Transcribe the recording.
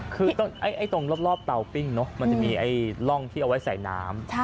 คือตรงรอบเตาปิ้งเนอะมันจะมีร่องที่เอาไว้ใส่น้ำ